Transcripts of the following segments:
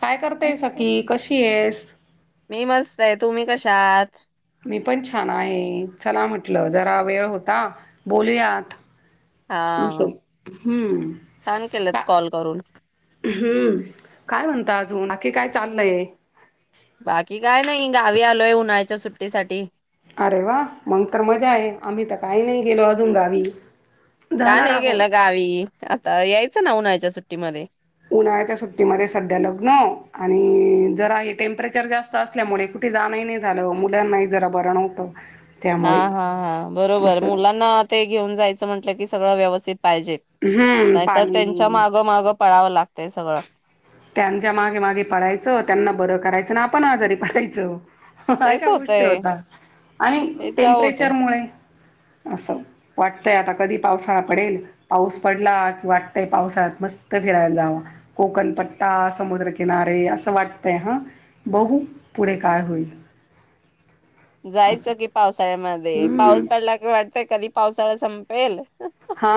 काय करतय सखी कशी येस ताई तुम्ही कशा आहात? मी पन छान आहे चला म्हटलं जरा वेळ होता बोलुयात अस हा हम्म छान केलंत अ कॉल करून हम्म काय म्हणता अजून.... की काय चाललंय बाकी काय नाही गावी आलोय उन्हाळ्याच्या सुट्टीसाठी अरे वा मंग तर मजाये आम्ही त काई नाई गेलो अजून गावी का जाणार नाई आहोत. गेला गावी अ यायचं न उन्हाळ्याच्या सुट्टी मध्ये उन्हाळ्याच्या सुट्टी मधे सध्या लग्न आणि जरा हे टेम्परेचर जास्त असल्यामुळे कुठे जाणंही नाही झालं मुलांनाही जरा बरं नव्हतं. त्यामुळे हां हां हां बरोबर असं मुलांना ते घेऊन जायचं म्हटलं की..... सगळं व्यवस्थित.... पाहीजेत हम्म नाही तर त्यांच्या पाणी मागे मागे पळालं लाग ते सगळं त्यांच्या मागे मागे पळायचं त्यांना बरं करायचं आणि आपण आजारी पडायचं ह ह तेच अशा गोष्टी होतय होतात आणि तेच होतय टेंपरेचर मुळे असं वाटतंय आता कधी पावसाळा पडेल पाऊस पडला की वाटतंय पावसाळ्यात मस्त फिरायला जावं कोकणपट्टी ता समुद्र किनारे असं वाटतंय हं बघु पुढे काय होईल. असं जायचं की पावसाळ्यामन हम्म पाऊस पडला की वाटतंय कधी पाऊस पावसाळा संपेल हा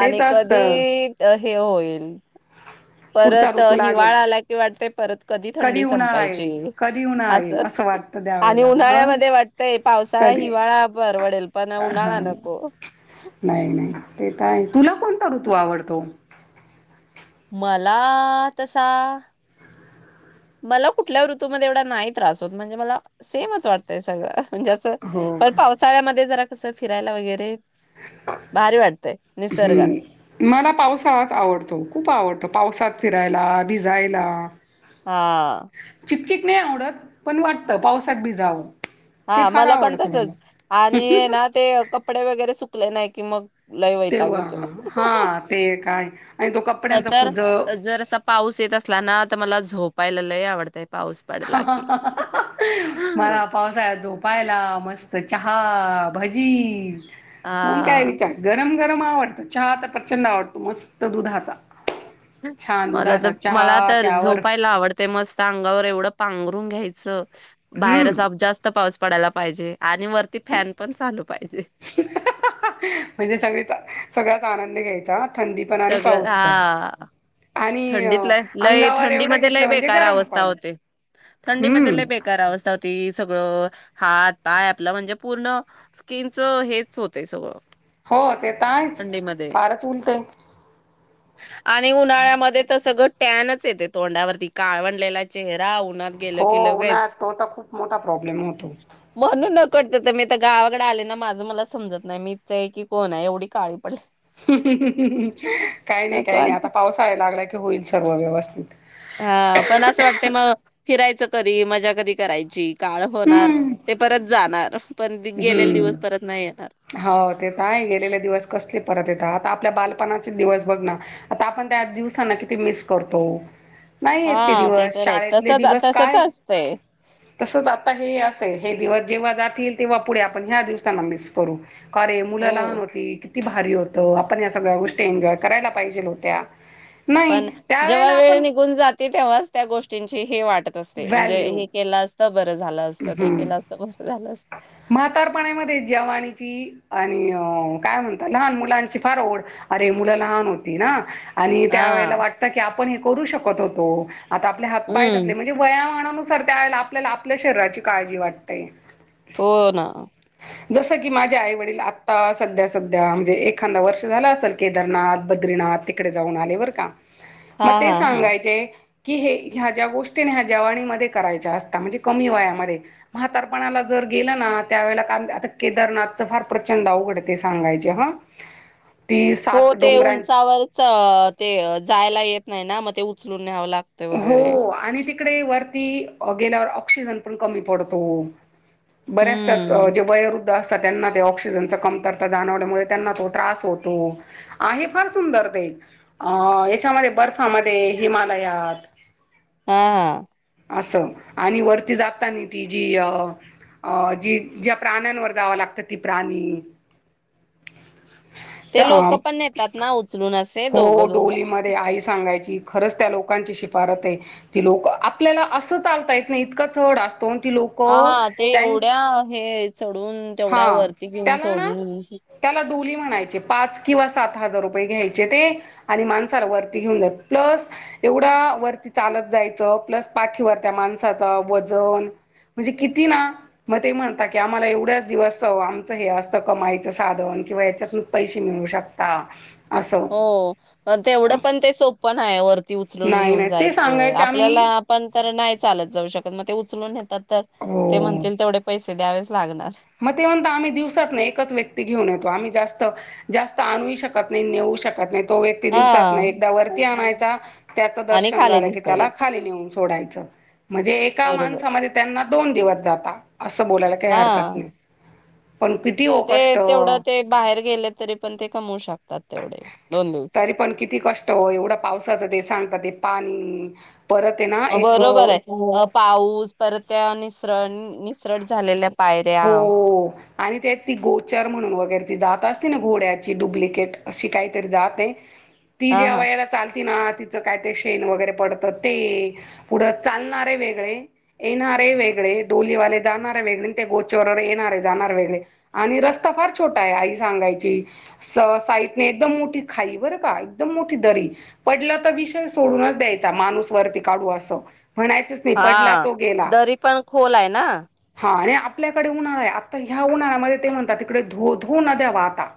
तेच असतं. कधी अ, हे हो येईल पुढचा परत ऋतू लागेल हिवाळा आला की वाटतंय परत कधी थंडी उन्हाळा संपायची येईल कधी उन्हाळा येईल असंच असं वाटतं आणि त्यावेळेला ह उन्हाळ्यामध्ये वाटतंय पावसा कधी हिवाळा परवडेल पण उन्हाळा हा नको नाही नाही ते तर आहे तुला कोणता ऋतु आवडतो मला तसा मला कुठल्या ऋतु मध्ये एवढा नाही त्रास होत म्हणजे मला सेमच वाटतं सगळं म्हणजे असं हो मला का? पावसाळ्या मध्ये असं फिरायला वगैरे हो भारी वाटतंय निसर्गात हं मला पावसाळाच आवडतो, खुप आवडतो. पावसात फिरायला भिजायला हा चिकचिक नाही आवडत पण वाटतं पाऊसात भिजावं ते हा फार मला पण आवडतं तसंच आण मला हे ना ते कपडे वगैरे सुक सुटले नाही की मग लय वैताग तेव्हा येतो हा ते काय आणि तो कप तर जर असा पाऊस येत असलाना तर मला झोप पायलला लै आवडतय ह ह हहह अं मला पावसाळ्यात झोपायला मस्त चहा भजी मंग काय हा. विचार गरम गरम आवडतं चहा तर प्रचंड आवडतो मस्त दुधाचा हं छान मला तर दुधाचा मला चहा तर त्यावर झोपायला आवडतय मस्त अंगावर एवढं पांघरुण घ्यायचं हम्म बाहेरच जास्त पाऊस पडायला पाहिजे आणि वरती फॅन पण चालू पाहीजे सगळ्याचा आनंद घ्यायचा थंडी पण आणि पाऊस पण आणि थंडीत अंगावर एवढं थंडीमध्ये घेतलं लई म्हणजे बेकार गरम अवस्था पण होती थंडीमध्ये हम्म लई बेकार अवस्था होती. सगळ हातपाय आपल म्हणजे पूर्ण स्किनच हेच होतय सगळ हो ते तर आहेच आणि उन्हाळ्यामध्ये तर सगळं टॅनच येते तोंडावरती काळवंडलेला चेहरा उन्हात गेलो हो की ना लगेच तो तर खूप मोठा प्रॉब्लेम होतो. कट होतोय मी आता गावाकडे आले ना माज मला समजत नाही की मिच आहे का कोण एवढी काळी पडले. हु हू हू काय नाही नको काय नाही वाटत आता पाऊस लागला की होईल सर्व व्यवस्थित हा पण असं वाटतंय मग फिरायचं कधी मजा कधी करायची. काळ होणार ते परत जाणार पण गेलेले हम दिवस परत नाही येणार हो ते तर आहेच गेलेले दिवस कसले परत येतात. आपल्या बालपणाचे दिवस बघणा आता आपण त्या दिवसांना किती मिस करतो. नाही येत ते हा दिवस तर आहे शाळेतले तसच दिवस तसच काय असतंय तसेच आता हे असं हे दिवस..... तेव्हा जातील.... तेव्हा पुढे आपण ह्या दिवसाला मिस करू... का रे मुला हो लहान होती ते भारी होतं.... पण ह्या सगळ्या गोष्टी एन्जोय करायला पाहिजेल होत्या.... नाही पण त्यावेेळेला जेव्हा वेळ आपण निघून जाते तेव्हाच त्या गोष्टींची हे वाट म्हणजे व्हॅल्यू हे केलस..... बरं झालं असतं ते केलं असतं बर झाल.... म्हातार पानामध्ये जवानीची.... आणि काय म्हणता लहान मुलांची फार ओढ अरे मुला लहान होती ना.... आणि त्यावेळेला हा वाटतं की आपण हे करू श.... तो तो [unintelligible] आता आपल्या हात पाय हम्म घातले म्हणजे वयामाना नुसार... तर त्या वेळेला आपल्याला आपल्या शरीराची काळजी वाटते हो ना जसं की माझ्या आई-वडील आत्ता सध्या सध्या म्हणजे एखादा वर्ष झाला असेल केदारनाथ बद्रीनाथ तिकडे जाऊन आले बर का.... हा म ते हा हा सांगायचे.. की ह्या ज्या गोष्टींमध्ये जवानी मध्येकरायच्या असता म्हणजे कमी वयामध्ये म्हातारपणाला जर गेला ना त्यावेळेला केदारनाथ च फार प्रचंड आवगड आहे सांगयच हो ते उंचावरच जायला येत नाही ना ते उचलून न्याव लागत वगैरे ते वरती गेल्यावर ऑक्सोजन पण कमी पडतो बऱ्याचशाच हम्म जे वृध आसतात त्यांना त्या ऑक्सीजन ची कमतरता जाणवल्या मूळ त्यांना तो त्रास होते आहे पण सुंदर ते बर्फा मध्ये हिमालयात [inaudible] हा अस आणि वरती जाताना तिजी ज्या प्राण्यावर जाव लागत ती प्राणी ते लोक पण नेतात ना उचलून असे हो दोघं दोघं डोली मध्ये आई सांगयची खरच त्या लोकांचे पारते ती लोक आप आपल्याल अस चालता येत नाही इतका चढ असतो आणि ती लोक हा ते त्यां एवढ्या हे चढ तेवढ्या हा वरती घेऊन त्याला ना सोडन त्याला डोली म्हणायची पाच किव्हा सात हजार घ्यायचे ते आणि माणसाला वरती घेऊन जायचे प्लस येवड वरती चालत जायच प्लस पाटिवर त्या माणसाच वजन म्हणजे किती ना म ते म्हणत्यात हे आमच असत कमाईच साधन किंवा याच्यातून पैसे मिळवू शकता असं हो तेवढ पण ते सोप कोण हाय वर ती उचलून नाही घेऊन नाही ते जायच सांगायचे आपल्याला आम्ही आपण तर नाही चालत जाऊ शकत त्यामुळे नेतात ते म्हणतील तेवढे पैसे ते द्यावेच लागणार म ते म्हणतात आम्ही दिवसातन एकच व्यक्ती घेऊन येतो आम्ही जास्त जास्त आणूही शकत नाही नेऊ ही शकत नाही तो व्यक्ती हा दिवसातन एकदा वरती आणायचा त्याच आणि दर्शन खाली झाल नाही की त्याल सोडायच खाली नेऊन सोडायच म्हणजे एका बरोबर माणसामाग त्यांना दोन दिवस आता अस बोलायला काय हरकत हा नाही पण किती ओ ते कष्ट तेवढ ते बाहेर गेल तरी पण कमवू शकतात तेवढे दोन दिवसात तरी पण किती कष्ट ओ येवढ्या पावसाच आणि बरोबर आहे त्यांत पाऊस परत त्याव निसरट झालेल्य हो आणि त्यात ती गोचर म्हणून वगैरे ती जातं असते ना घोड्याची डुब्लीकेट अशी काई तरी जातं ए ती हा हा जेवायला चालतीना? तिचं ते काय ते शेण वगैरे पडतं ते पुढं चालणारे वेगळे येणारे वेगळे डोलीवाले जाणारे वेगळे ते गोचर आणि येणारे जाणारे वेगळे आणि रस्ता फार छोटा आहे आई सांगायची स साईडने एकदम मोठी खाई बरका एकदम मोठी दरी पडलं तर विषय सोडूनचं द्यायचा माणूस वरती काढू असं.... म्हणायचंच नाही पडला हां तो गेला दरी पण खोल आहे ना. आपल्या कडे उन्हाळा आहे आता या उन्हाळ्यामध्ये ते म्हणतात तिकडे धो धो नद्या वाहतात...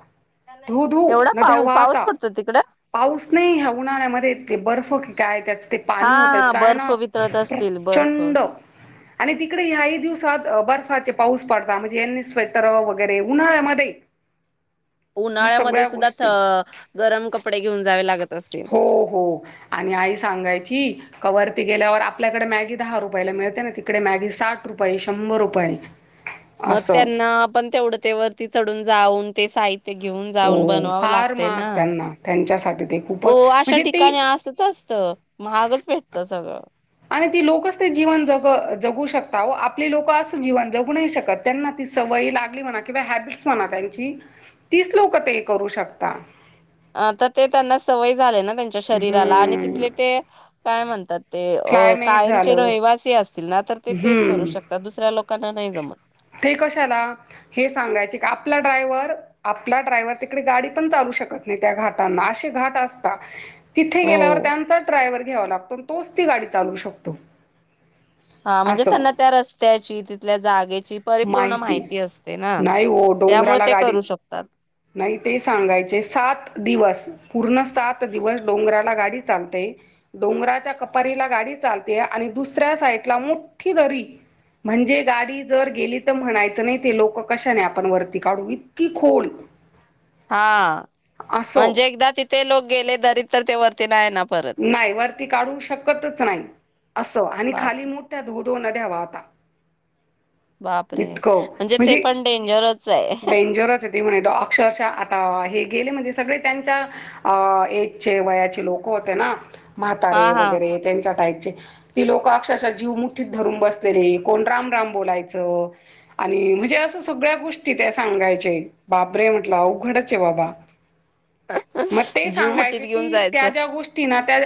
धो धो एवढा नद्या पाऊ पाऊस वाहतात पडतो तिकडे पाऊस नाही या उन्हाळ्यामध्ये ते बर्फ काय त्यांच ते हा पाणी होतं हा काय बर्फ नाव वितळत असतील बर्फ प्रचंड.... आणि तिकडे याही दिवसात अ बर्फ दुपारचे पाऊस पाडता म्हणजे यांनी स्वेटर वगैरे उन्हाळ्यामध्ये... ह्या उन्हाळ्यामधे सगळ्या सुद्धा त गोष्टी गरम कपडे घेऊन जावे लागत असतील हो हो आनी आई सांगायची कवर गेल्यावर आपल्याकड मॅगी दहा रुपयला मिळते ना तिकडे मॅगी साठ रुपये शंभर रुपय म त्यांना आपण तेवढं ते वरती चढून जाऊन ते साईड ते घेऊन हो जाऊन बनवावं फार लागतय महाग ना त्यांना त्यांच्यासाठी ते ओ खूपच अशा म्हणजे ते ठिकाणी असचं असतं महागचं भेटत सगळं. आणि ती लोकचं ते जीवन जग जगू शकता ओ आपली लोकं आज जीवन जगू नाही शकत त्यांना ती सवय ही लागली म्हणा ना किंवा ह्याबीटस म्हणा त्यांची... तिचं लोकं ते करू शकता. आं तर ते त्यांना सवय झालंय ना त्यांच्या शरीराला आनी हम्म तिथले ते काय म्हनतात ते अ क्लायमेट कायमचे झालं रहिवासी असतीलना? तर ते तेच करू हम्म शकतात दुसऱ्या...... लोकांना नाही जमत ते कशाला... हे सांगायचे का आपला ड्राईव्हर... आपला ड्राईव्हर तिकडे गाडी पन चालवू शकत नाई त्या घाटाना अशे घाट असता. तिथे हो गेल्यावर त्यांचाच ड्राईव्हर.... ठेवावं लागतो आन तोच ती गाडी चालवू शकतो. हां म्हनजे असं त्यांना त्या रस्त्याची तित... तिथल्या जागेत.... माहिती..... नाही हो त्यामुळे डोंगराला ते गाडी करू शकतात नाही ते सांगायचे सात दिवस.. पूर्ण सात दिवस डोंगराला गाडी चालतेय डोंगराच्या कपारीला गाडी चालतेय आणि दुसऱ्या साईडला मोठी दरी म्हणजे गाडी.... तर गेली तर म्हणायचं नाही ती लोकं कशाने आपण वरती काढू इतकी खोल.... हां असो म्हणजे एकदा तिथे लोक गेले दरीत तर ते वर ते नाय ना... परत नाही वरती काढू शकतच नाही असं आणि बाप खाली मोठया धू धुऊन ठेवा अता. बापरे इतक ते म्हणजे पण डेंजरच आहे डेंजरचए ते म्हणे तो अक्षरशा आता हे गेले म्हणजे सगळे त्यांच्या अ एज चे वयाची लोकं हो होते ना हा म्हातारे हा वगैरे त्यांच्या टाईप ती लोक अक्षरशः जीव मुठीत धरून बसलेले. कोण राम-राम बोलायचं आणि म्हणजे अस सगळ्या गोष्टी ते सांगायचे बाप रे म्हटलं अवघडच आहे बाबा. मग ते जीव मुठीत सांगायचे घेऊन की त्या जायचं ज्या गोष्टी तुम्हीना त्या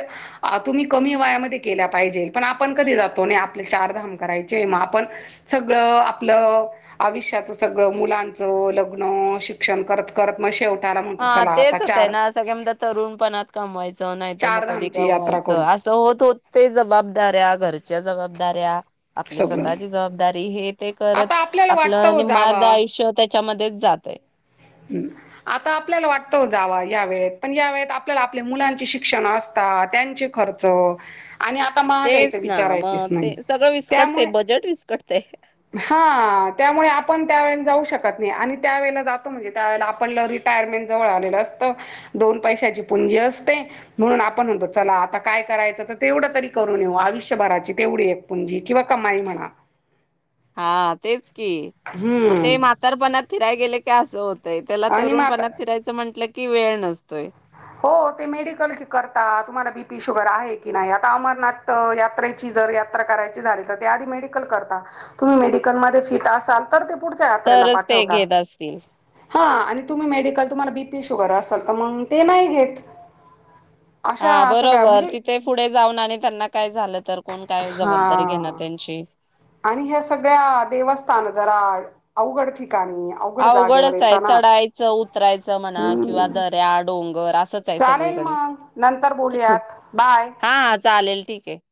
अ तुम्ही कमी वयामध्ये केल्या पाहिजेल पण आपण कधी जातोनी. आपल चारधाम करायचे म आपण सगळं आपलं आयुष्याचा सगळं मुलांचं लग्न, शिक्षण करत- करत मग शेवटी हा तेच होतंय ना सगळे म्हणतात तरुणपणात कमवायचं. नाही तर मग चार कधी धामची यात्रा करू कमवायचं असं होत होते जबाबदाऱ्या घर घरच्या जबाबदाऱ्या आपली सगळं स्वतःची जबाबदारी हे ते आता करत आपल्याला वाटतं आपलं हो निम्मा अर्ध जावा आयुष्य त्याच्यामध्येच जातंय. हम आता आपल्याला वाटत ओ जावा या वेळेत. पण या वेळेत आपल्याला आपल्या मुलांची शिक्षण असतात त्यांची खर्च आणि आता महागाईच तेच ना विचारायचीच मग नाही ते सगळं विस्कटते त्यामुळे बजेट विस्कटते हा त्यामुळे आपण त्यावेळी जाऊ श जाऊच शकत नाही आणि त्यावेळेला जात तो म्हणजे त्यावेळी आपलं रिटायरमेंट जवळ आलेल असतं. दोन पैशांची पुंजी असते म्हणून आपण म्हणतो चला आता काय करायचं तर तेवढे तरी करून येऊ आयुष्यभराची तेवढी एक पुंजी किंवा कमाई म्हणा. हा तेच की मग हम्म ते म्हातारपणात फिरायला गेल की असं होतं ते त्याला आणि मग आता तरुणपणात फिरायचं म्हटलं ती वेळ नसतोय. हो ते मेडिकलकी करतात तुम्हाला बीपी शुगर आहे की नाही आता अमरनाथ अ यात्रेची जर यात्रा करायची झाली तर ते आधी मेडिकल करता. तुम्ही जर मेडिकल मध्ये फिट असाल तर ते पुढच्या यात्रेला तरच ते पाठवता घेत असतील. हा आणि तू म मेडिकल तुम्हाला बी पी शुगर असल तर मग ते नाही घेत. हा अशा सगळ्या बरोबर. म्हणजे तिथे पुढे जाऊन त्यांना काय कोण काय हा जबाबदारी घेणार त्यांची. आणि ह्या सगळ्या देवस्थान जरा अवघड ठिकाणी अवघड जागेवर अवघडच आहे येताना चढायचं, उतरायचं म्हणा किंवा हम्म दऱ्या, डोंग चालेल मग नंतर बोलुयात बाय. हा हा चालेल ठीक आहे.